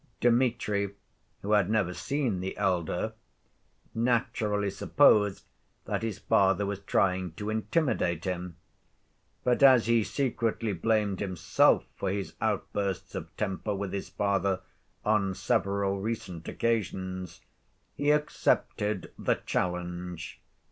Dmitri, who had never seen the elder, naturally supposed that his father was trying to intimidate him, but, as he secretly blamed himself for his outbursts of temper with his father on several recent occasions, he accepted the challenge.